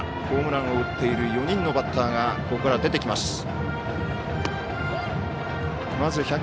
ホームランを打っている４人のバッターがここから出てきます。